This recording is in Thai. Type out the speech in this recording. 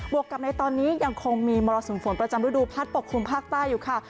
วกกับในตอนนี้ยังคงมีมรสุมฝนประจำฤดูพัดปกคลุมภาคใต้อยู่ค่ะ